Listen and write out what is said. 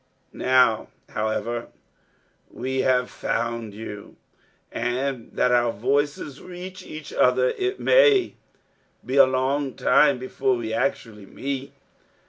Now, however, that we have found you, and that our voices reach each other, it may be a long time before we actually meet.